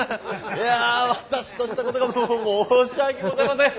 いや私としたことがも申し訳ございません！